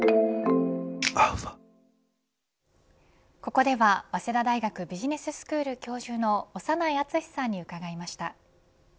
ここでは早稲田大学ビジネススクール教授の長内厚さんに伺いました。